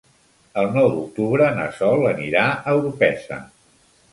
El nou d'octubre na Sol anirà a Orpesa.